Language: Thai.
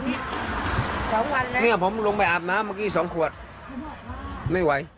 สองวันแล้วเนี่ยผมลงไปอาบน้ำเมื่อกี้สองขวดไม่ไหว